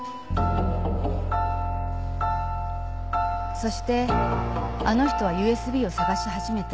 そしてあの人はＵＳＢを捜し始めた。